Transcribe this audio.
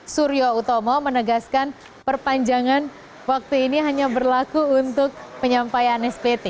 suryo utomo menegaskan perpanjangan waktu ini hanya berlaku untuk penyampaian spt